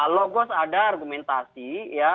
logos ada argumentasi ya